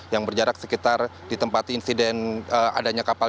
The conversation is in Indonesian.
yang berjarak sekitar di tempat insiden adanya kapal